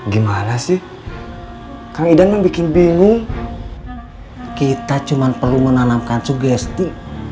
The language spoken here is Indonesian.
gimana sih kang idana bikin bingung kita cuma perlu menanamkan sugesti